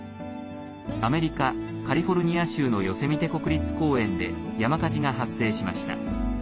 アメリカ・カリフォルニア州のヨセミテ国立公園で山火事が発生しました。